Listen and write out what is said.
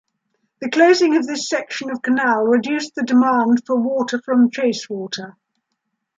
The closing of this section of canal reduced the demand for water from Chasewater.